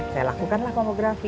saya lakukanlah mamografi